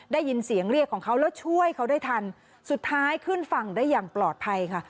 ได้ยินเสียงเรียกของเขาแล้วช่วยเขาได้ทันสุดท้ายขึ้นฝั่งได้อย่างปลอดภัยค่ะ